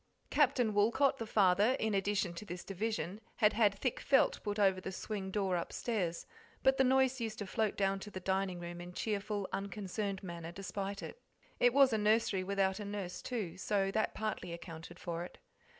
Captain Woolcot, the father, in addition to this division, had had thick felt put over the swing door upstairs, but the noise used to float down to the dining room in cheerful, unconcerned manner despite it. It was a nursery without a nurse, too, so that partly accounted for it.